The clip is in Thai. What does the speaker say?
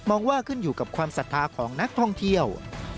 องว่าขึ้นอยู่กับความศรัทธาของนักท่องเที่ยว